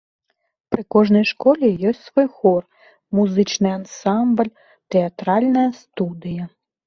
Пры кожнай школе ёсць свой хор, музычны ансамбль, тэатральная студыя.